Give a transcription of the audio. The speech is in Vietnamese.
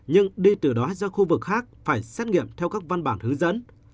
nhưng đi từ đó ra khu vực khác phải xét nghiệm theo các văn bản hướng dẫn